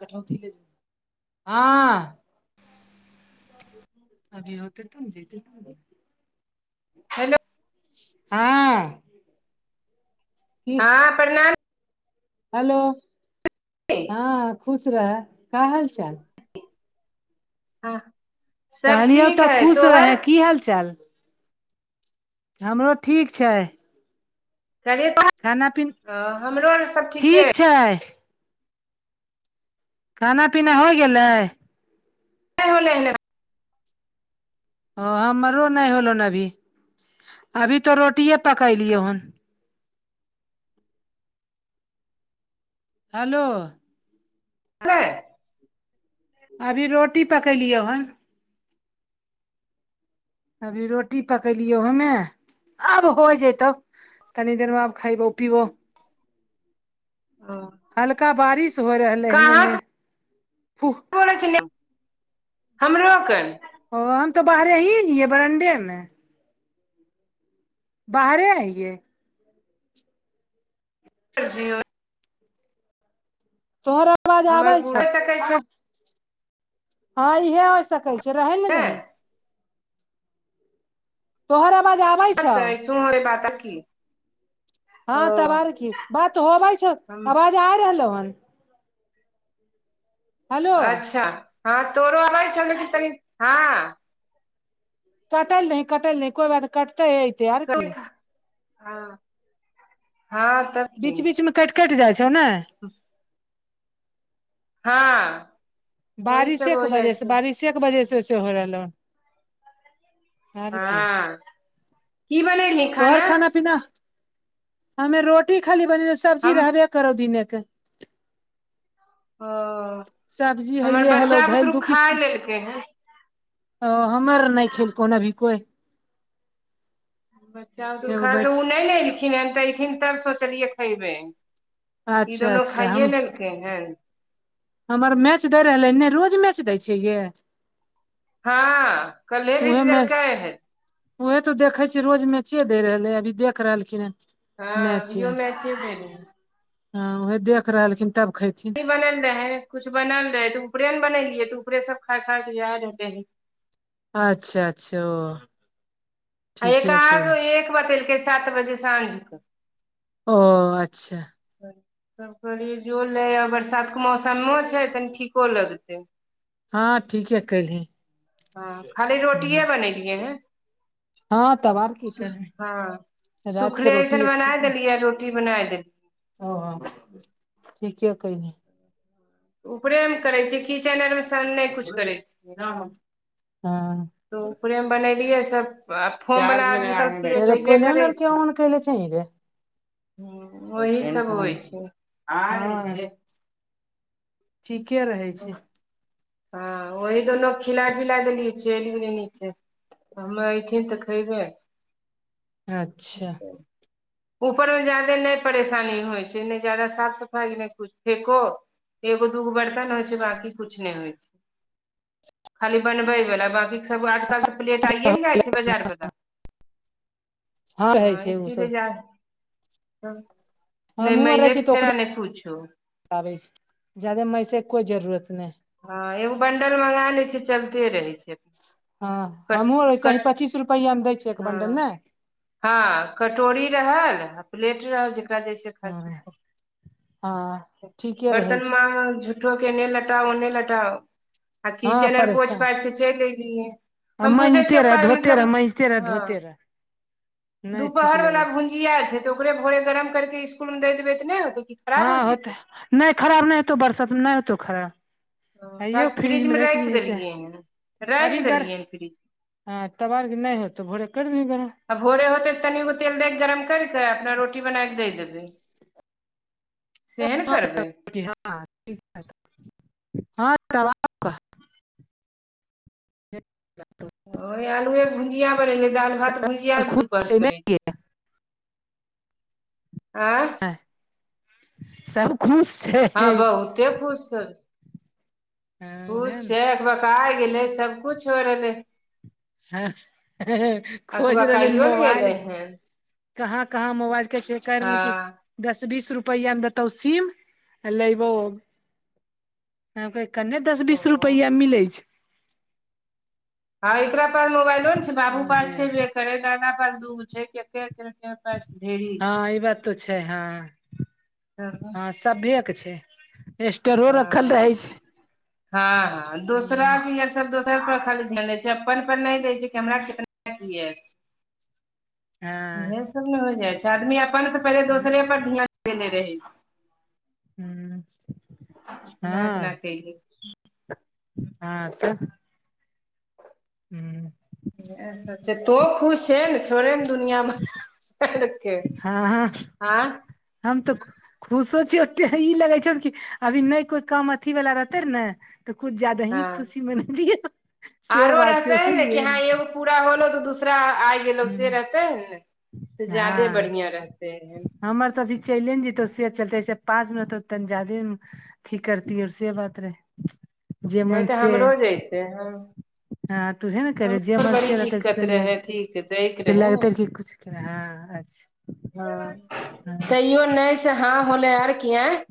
कठोती ले जो हं। अभी होते त ने जयतै। हलओ। हँ। हँ प्रणाम। हालो हँ खुश रह क हालचाल। हँ सब कहलियौ ठीक तऽ है खुश तोहर। रहे की हाल चाल। हमरो ठीक छैय। करेबा हं, हमरो आर सब ठीके है। छैय। खाना पीना होइय गेलै। नइ होलै। ह हमरो नइ होलेन अभी, अभी तऽ रोटिए पकेलियै हन। हालो। लेय। अभी रोटी पकेलियै हन। अभी रोटी पकेलियौ हमे, आब होय जेतौ। कनी देर में आब खइबो-पीबो। हँ। हल्का बारिश होइ रहलै हन एने। पड़ै छै एने, हमरो कऽ। ओ हम तऽ बाहरे ही हिये बरनडे में। बाहरे हइये। कुछ नै। तोहर आवाज हमर आबै छौ। पूरा सकै छै हँ। हँ इहे हो सकै छै, रहै ने दही। तोहर आवाज आबै छौ। तोहोरे बाता की। ओ हँ तब आर की, बात होबे छौ, हम आवाज आ रहलों हन। हेलो अच्छा हँ तोरो आबै छौ तनि, हँ। कटैल दऽहि, कटैल दऽहि, कोइ बात कटते-अयतै आर की। हँ, हँ। तब की बीच-बीच में कैट-कैट जाइ छौ, नइ। [inaudible] हाँ। बारिशें बजेह से, बारिशें के बजेह से ओसे होइ रहलौं हन। आर की हँ, की बनेलिहि। तोहर खाना-पीना, हमें रोटी खाली बनेलियो सब्जी हम रहबे। करोऽ दीने के। ओ सब्जी हमर हैये हेलो, बच्चा धइल बुतरू दू खाय किसम। लेलकै हन ओ हमर नहि खेलको अभी कोई। बच्चा-बतुर एगो खा कऽ बैठ ओ नहि ने अयलखिन हेन तऽ अयथिन तब सोचलियै खयबै। ई अच्छा दुनू अच्छा हम खाइए लेलकै हेन। हमर मैच दै रहलै ने, रोज मैच दै छै ये। हँ कल्हे जीत लेलके हइ। उएहे तो देखै छियै रोज मैचे दे रहलै, अभी देख रहलखिन हँ। हँ अभियो मैचे दे हैय। हँ उहे देख रहलखिन तब खैथिन। की बनल रहै, कुछ बनल रहै तऽ ऊपरे ने बनेलियै तऽ ऊपरे सब खाय-खा के याद होते है। अच्छा-अच्छा ओ। आ एक ठीके आध कैल एक बतेलकै, सात बजे साँझ कऽ। ओ, अच्छा। तब कहलियै जो ले आ, बरसातके मौसमों छै कनी ठीको लगतै। हँ ठीके केल्हि। हँ खाली रोटियए बनेलिए हें। हँ तब आर की सु करबही हँ राति के सुखले रोटी अऐसन एक बना ठीक देलियै, रोटी बनाय देली। ओ, हो ठीके कहिनी। ऊपरे मे करै छियै, किचेन आरमे सन नहि किछु करै छियै। हँ तऽउपरे मे बनेलियै सभ आ फोम बला चार्ज में आज लगा कल के प्लेट अयबे एरोप्लेन करै आर छै। के ऑन कइले चइल रजै ह वही सब होइ छै। हँ ठीके रहै छै। हँ ओही दुनू खिला पिला देली चइल गले निचे हमे एऐथिन तऽ खेबे, अच्छा ऊपरमे ज्यदे नहि परेशानी होइ छै, नहि जाादा साफ सफाइ नइ कुछ फेको। एगो दूगो बर्तन हो, बाकी कुछ नय होइ छय, खाली बनबै बाला बाकि सब आजकल प्लेट आइए ने जाए छै, बजार बला। रहै हँ छै ओ सब इसीलिए जा तब हमहुँ आर रहै छी तऽ ओकरेै जादे मषे के कोइ जरूरत नहि हँ एगो बंडल मगा लै छिय, चलते रहै छै। हँ कट हमहूँ वैसे ही कट पचीस रुपैआमे दै छियै, एक हँ बंडल ने। हँ कटोरी रहल प्लेट रहल जेकरा जेस [inaudible] हँ हँ ठीके रहै बर्तन छै मांग जु झुठो के एन्ने लेटाउ, ओन्ने लटाउ, आ हँ किचन आर पोइछ परेशान पाइछ के चइल ऐलियै। आ हम बुझे मजते छियउ रह काज धोते रह मतलब मजते रह हँ धोते रह नहि ठीक दुपहर लगै वला छै भुज जिया छै तऽ ओकरे भोरे गरम करके इसकुल मे द देबै तऽ नहि होते! हँ होतै नै खराब नै होतौ बरसातमे नै होतौ खराब। आइयो राइत फ्रिज मे फ्रिजमे राखि राइख दिहे चाहे देलियै हन, राइख देलियै ह फ्रिज ह तब अर्ग नै होतो भोरे कर देभी गरम। आ भोरे होतै तऽ तनिगो तेल दए कऽ गरम करि कऽ अपना रोटी बना कऽ दए देबै। सेहन करबै। हँ तबा [unintelligible] ओ आलुए भुजिया बनेलियै दाइल भात भुजिया एक खुश दू पात छै बनेलियै। नहि यै आँ [inaudible] सब खुश हँ छै बहुते खुश सब छै हँ खुश उहे ने छै, अबकाय गेलै सभकिछ छोड़ एलै। ह -ह-ह-ह खोज भेलै अकबकाइयो ने गेलै मोबाइल हन कहाँ -कहाँ मोबाइल के जिकर हँ नहि दस बीस रुपैआमे देतौ सीम लेबौम। हम कहि कन्ने दस ओ बीस रुपैयामे मिलै छै। हँ एकरा पास मोबाइलो ने छै, बाबू पास छै, बे करै दादा पास दूगो छै, कते के [unintelligible] ढेड़ी हँ ई बात तऽ छै, हँ से सभिये के छै, स्टरो रखल हँ रहै छै। हँ -हँ दोसरा हूँ के ये सब दोस सब पर खाली ध्यान दै छै अपन पर नहि दै छै कि हमरा केहन मो इल य हँ इएह सब ने होय जाइ छै, आदमी अपन से पहिले दोसरे पर ध्यान देने रहै छै। हुँ, इतना इतना हँ। कयली हँ तह, हुं। इह सब छै, पुतो खुश छै, छोड़े ने दुनिया भरके हँ- हँ आँ हँ हम तऽ खु खुशो छियौ एते ह, ई लगै छी कि अभी नहि कोइ काम अथी वाला रहतै ने। तऽ कुछु ज्यादा ही हँ खुशी मिलेतियै, से आरो बात रहते छै, है बुझ ने कि गेल। हँ एगो पूरा होलो तऽ, दूसरा अ आइ वैसे हँ रहते है ने, तऽ जादे बढ़िया रहते है। हमर तऽ अभी चैलेंजतौ से, चलतै ऐसे पाच मिनट तौ तनी जादे की करतीयो से बात रहै, जे मन से। [unintelligible] हँ हँ, तुहे न करजिया मन से रहतै ते, दिक्कत पहिने लग रहे अथी दैके रहे लगतै ने र क किछु कर हँ, अच्छा! हँ, हँ तैयो नहि से हँ होलै, आर कि आँय?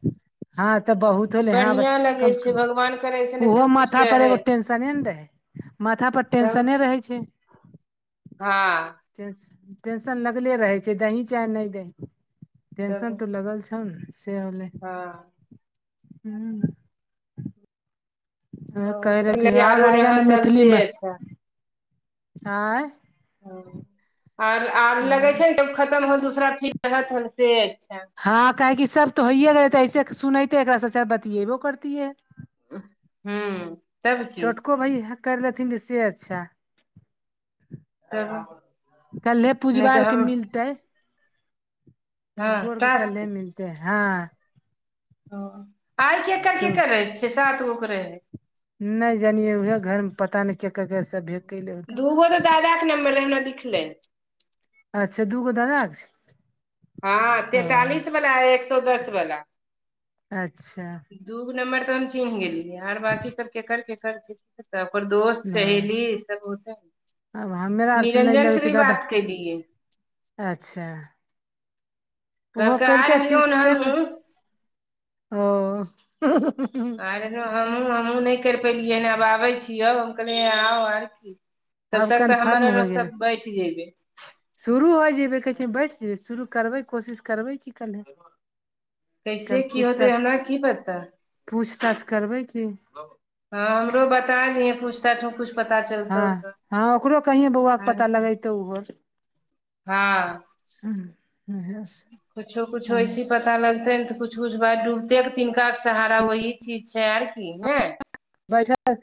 हँ, तऽ बहुत होले ह, बढ़ियां लगै कम से छै कम भगवान करे ऐसन ओहो ऐसन कुछ माथा पर रहै एगो टें टेशने ने रहै, माथा पर तब टेंशने रहै छै। हँ। टेंन टेंशन लगले रहै छै, दहि चाहे नहि दहि। तब टेंशन तऽ लगल छौने, से होलै। हँ। हूं। ओ कहि बहुत रहे आओर आरो आएगा ने रहत हन से मैथिलीमे, अच्छा आएँ। ह, आर आर लगे छै ने, तब खत्तम होल दूसरा फीर होत से, अच्छा! हँ, काहेकि सब तऽ होइए गेलै, तऽ ऐसे सुनतै एकासँचा बतिएबो करतियै। हू, तब की। को भी हक कर लेथिन से अच्छा! तऽ। कल्हे नहि पूजबा आर के हम मिलते, हँ पूजबो आर के कल्हे टास्क मिलते। हँ। ओ, आइ केकर तऽ -केकर रहै छै, सात गो के रहै। नहि जानिये, उहे घर मे, पता नहि केकर गैस दूगो तऽ दादाक के नम्बर रहे, हमरा दिखले। अच्छा! दूगो दादा छै। हँ, ओ तेंतालिस वला, एक सए दस वला। अच्छा दूगो नम्बर तऽ हम चिन्ह गेलियै, आर बकी सब केकर- केकर अपन दोस्त, ओ सहेली ई सब होतै। आब हमरा आर नहि निरंजन लगै से छै भी दादा बात केलीयै। अच्छा! ओहो कहलकै आ कलकै, फिर रहलियौन केल हमहूँ ओ आर हमहूँ -हमहूँ नहि करि पेलियै, हन आब आबै छियौ, हम कहलियै आउ आर की। तब आब तक तऽ हमर कन्फर्म हो रस्ता गेलै बैठ जेयबै। शुरू होइ जयबै, कहै छिय बैठि जेबै, शुरू करबै, कोशिश करबै, कि क कैसे की होतै, हमरा की पता। पूछतााछ करबै की। हँ, हमरो बत पता नै पूछता छ मे कुछ पता चलत हँ हँ ओकरो कहिये बौआ के आर पता लगेतौ ओहो ह [unintelligible] कुछो- कुछो ऐसी पता लगतै तऽ कुछ- कुछ बात डूब कतेक तिनका के सहारा वोही चीज छै आर की ने। बैठल-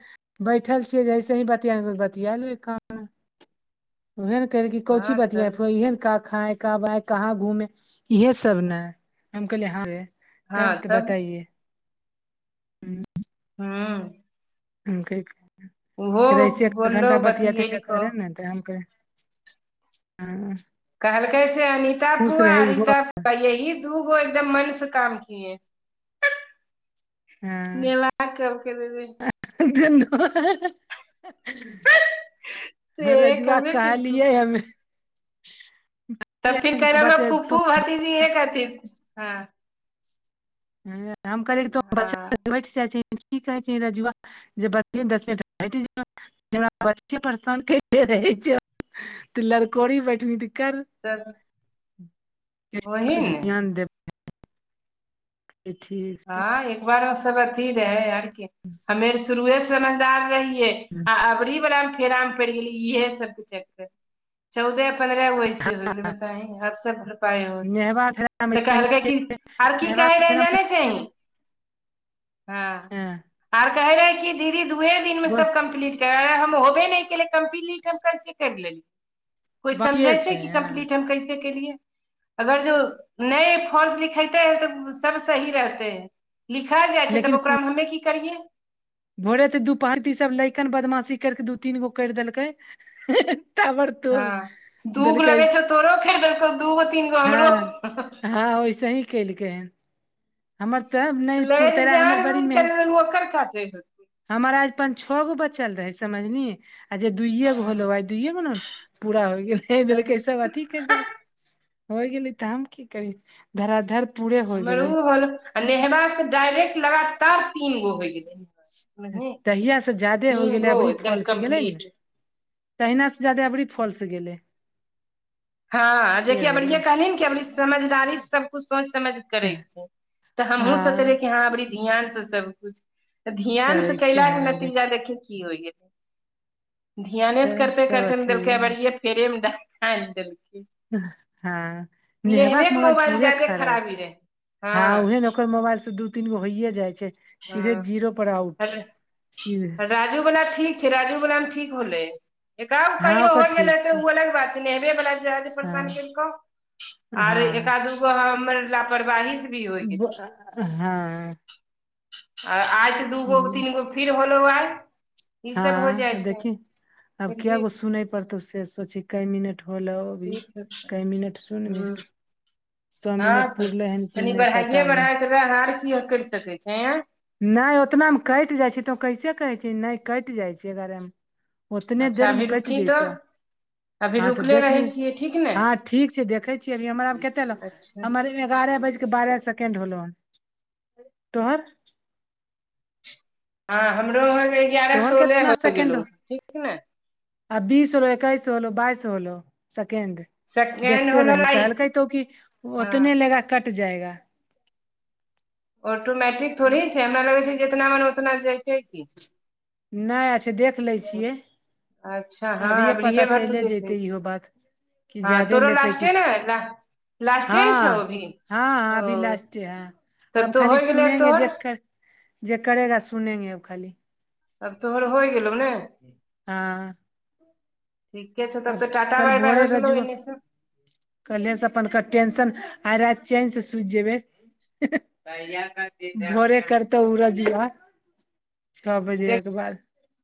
बैठल छियै जैसे ही बतिया बतिया लै कान उहे ने कहल कोची हँ तब बतियाहोइ इहेयने का खाय [unintelligible] कब आए कहाँ घूमे इहे सब ने हम कहले यहा हे तब तऽ बताइये। [inaudible] ह क फेर ऐसे एक बोललो घण्टा बतियाते बतियेलको बेकार ह ने तऽ हम [unintelligible] कहलकै से अनिता खुश रहे ओहो पुआरिता त यही दूगो एकदम मन से काम किए। ह नेला कबके देबे [unintelligible] से रजुआ कहबे केलको कहलियै हमे। [unintelligible] तब फिर कि तू कहे बते तू फूफू भतीजी एक हथिन्ह ह। हम हँ [unintelligible] जैथिन की कहै छै रजुआ जे बते दस मिनट बचे परसेन करते रहै छै त लरकोरी बैठनी तऽ कर तब वही ने [unintelligible] [unintelligible] [unintelligible] ठीक ह एक बारो सब अथी रहै आरके। [inaudible] फेर शुरुए समझदार रहियै आ अबरी बला फेरा प गेल [unintelligible] इएह सब चक चौदह पन्दरहे होय कैसी हो बताए कबतक भरसकभरपाइ हो [unintelligible] नेहबा तऽ कहलकै कि आर की कहै रहै जान ह आर कहे रहेै कि दीदी दुए दिनमे सब कम्प्लीट कर हम होबे नै केलै कम्प्लीट हम कैसे कैर लेती। कोइ समझै बाकिए छै, कि हँ कम्प्लीट हम कैसे केलियै। अगर जो नए फॉम लिखेते है त सब सही रहते है। लिखा जाइ छै, लेकिन तब कु- ओकरामे हमे की करियै। भोरे तऽ दू पारी सब लैकन बदमाशी करिके दू तीन गो कैर देलकै। तर [unintelligible] ह दू गो लगै छौ। तोरो खरी देलकौ दूगो तीन गो हमरो। ह वइसे ही केलकै, हमर त ने पुरतेरा हमर बड़ी मेहन। तू ओकर खाते है। हमर आज पाँच - छ गो बचल रहै समझलि। आ जे दुइयएगो होलो आइ दुइयएगो न पूरा होइ गेल तब देलक सब अथी कैर देलकै। होइ गेलै तऽ हम की करिए। धराधर पुरे हमर ओ होल आ नेहबाक स डायरेक्ट लगातार तीन गो होय गेलै। बुझलिही तहिया सँ जादे होय तीन गेलै, गो अबरी एकदम फॉल्स गेलै ने। कम्प्लीट तहिना सँ जादे अबरी फॉल्स गेलै। हँ से जेकि अबर इे होलै कहली कि समझदारी सबकुछ सोच समझ करै तऽ हमहूँ सोचलियै कि हँ बड़ी ध्यानसँ सबकिछु। तऽ ध्यान से करैके छै कयलाके हँ लेकिन नतीजा देखि की होइयै। ध्यान से तऽ करते सब -करते ने अथी देलकै बढ़े पेड़े मे ड देलकै। हँ नेहवा के नेहबेके मोबाइल पूरे ज्यादे खराब। खराबी रहै हँ उहे ने ओकर मोबाइल से दू तीन गो होइए जाइ छै। ह सीधे जीरो पर आउट सीधे राजूवला ठीक छै। राजूवलामे ठीक होलै। जै गप्प हँ कहिओ हो ओकर गेले ठीक त छै ओ अलग बात छै। नेहेबे बाला परेशानी हँ कनि कम। आर हँ एका, दुगो हमर लापरवाही। भी होइ गेलै हँ। आ आइठ त दूगो, तीन, गो फिर होलो आइ। ई सब हो जाइ हँ छै देखी आब के बुझलियै गो सुनै पड़तौ से सोची क मिनट होलो। भी ठीक कई मिनट सुन हँ मिस। सए मिनट पुरले हन कि नहि पता नइ। तोरा हार क करि सकैत छै। नय ओतनामे कटि जाइ छै। तऽ कैसे कहै छ नहि कटि जाइ छै घरेमे। ओतने अच्छा देरमे अभी कटि रुकी जइत। तऽ अभी हँ तऽ रुकले देख रहै लियौ छियै ठीक ने हँ ठीक छै। देखै छीयै अभी हमरा कते लग अच्छा हमर एगारह बजके बारह सेकेण्ड होलो हन तोहर। हँ हमरो वहाँ एगारह तोहर सोलहे केतना होइ सेकेंड गेलौ हो ठीक ने। आ बीस होलो, एकैस होलो, बाइस होलो, सेकेंड। सेकेंड देखते होलो रही बाइस कहलके तो की हँ ओतने लेगा कट जाएगा। ऑटोमट्रिक थोड़े छै, हमरा लगै छै, जेतना मन ओतना जयके की। नाया देख लै छियै, अच्छा हँ अभियए पता अबरिये भर तू चले देखै जतै इहो बात। कि हँ जादे तोरो लेतै कि लास्टे ने ला, लास्टे हँ ने छौ अभी -हँ ओ अभी लास्टे ह तब अब तो खाली होइ गेलै अब सुनेंगे तोहर जेखकर। जे करेगा सुनेंगेब खाली। आब तोहर होइ गेल ने। हाँ ठीके छौ, तब अब तऽ टा बाइ -बाइ हो गेलौ एन्ने से। कलहे से अपन टेंशन आइ राइत चेन् से सुति जेबै। भोड़े करतौ उ रजिबा छओ देख बजेऐ के बाद